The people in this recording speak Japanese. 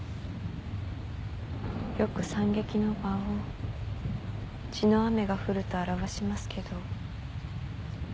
よく惨劇の場を「血の雨が降る」と表しますけど。